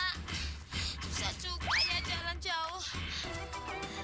susah juga ya jalan jauh